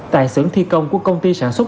tại xưởng thi công của công ty sản xuất